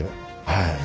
はい。